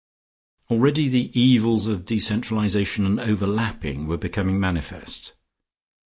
Already the evils of decentralisation and overlapping were becoming manifest.